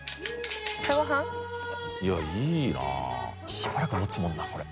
しばらくもつもんなこれ。